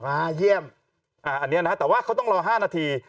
อันนี้นะครับแต่ว่าเขาต้องรอ๕นาที